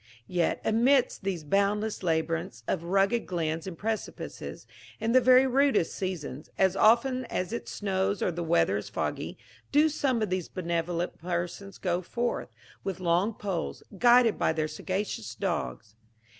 Yet amidst these boundless labyrinths of rugged glens and precipices, in the very rudest seasons, as often as it snows or the weather is foggy, do some of those benevolent persons go forth, with long poles, guided by their sagacious dogs.